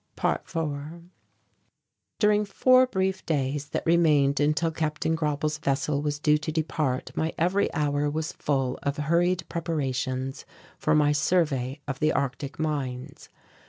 ~4~ During four brief days that remained until Capt. Grauble's vessel was due to depart my every hour was full of hurried preparations for my survey of the Arctic mines.